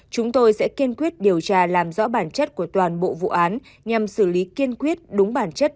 chúng tôi sẽ kiên quyết điều tra làm rõ bản chất của toàn bộ vụ án nhằm xử lý kiên quyết đúng bản chất